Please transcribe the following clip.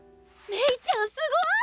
メイちゃんすごい！